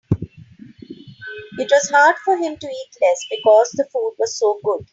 It was hard for him to eat less because the food was so good.